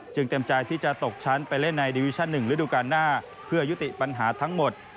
เต็มใจที่จะตกชั้นไปเล่นในดิวิชั่น๑ฤดูการหน้าเพื่อยุติปัญหาทั้งหมด